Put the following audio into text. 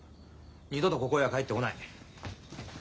二度とここへは帰ってこない。